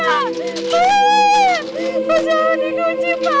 aku jauh di kunci pak